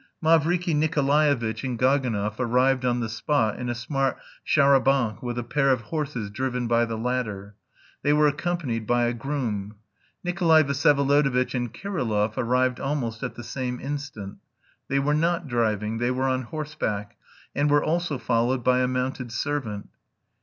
Mavriky Nikolaevitch and Gaganov arrived on the spot in a smart char à banc with a pair of horses driven by the latter. They were accompanied by a groom. Nikolay Vsyevolodovitch and Kirillov arrived almost at the same instant. They were not driving, they were on horseback, and were also followed by a mounted servant.